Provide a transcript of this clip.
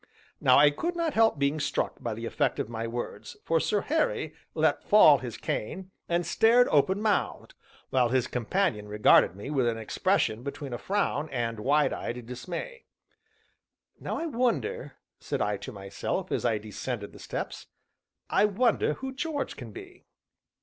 Now I could not help being struck by the effect of my words, for Sir Harry let fall his cane, and stared open mouthed, while his companion regarded me with an expression between a frown and wide eyed dismay. "Now I wonder," said I to myself as I descended the steps, "I wonder who George can be?"